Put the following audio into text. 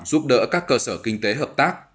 giúp đỡ các cơ sở kinh tế hợp tác